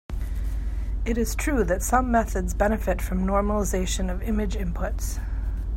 It is true that some methods benefit from normalization of image inputs.